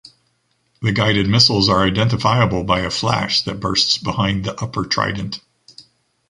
The guided missiles are identifiable by a flash that bursts behind the upper trident.